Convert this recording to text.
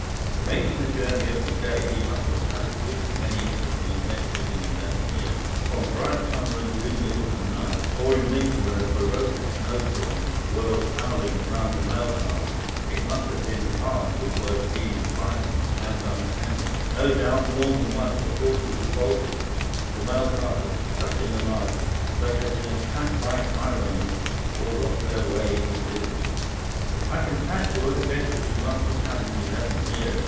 Making the journey every day, he must have had a good many interesting adventures in eleven years. On bright summer and gloomy autumn nights, or in winter when a ferocious snowstorm whirled howling round the mail cart, it must have been hard to avoid feeling frightened and uncanny. No doubt more than once the horses had bolted, the mail cart had stuck in the mud, they had been attacked by highwaymen, or had lost their way in the blizzard.... "I can fancy what adventures you must have had in eleven years!"